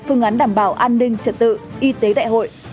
phương án đảm bảo an ninh trật tự y tế đại hội